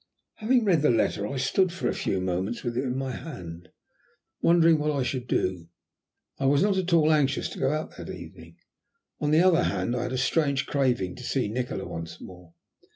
Having read the letter I stood for a few moments with it in my hand, wondering what I should do. I was not altogether anxious to go out that evening; on the other hand I had a strange craving to see Nikola once more.